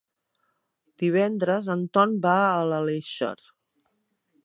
Divendres en Ton va a l'Aleixar.